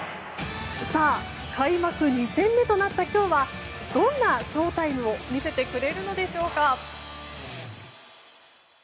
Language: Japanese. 開幕２戦目となった今日はどんなショータイムを見せてくれるのでしょうか。